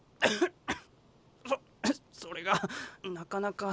そそれがなかなか。